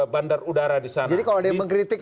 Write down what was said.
bandar udara di sana jadi kalau dia mengkritik